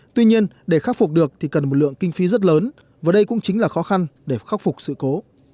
tuy nhiên để khắc phục được thì cần một lượng kinh phí rất lớn và đây cũng chính là khó khăn để khắc phục sự cố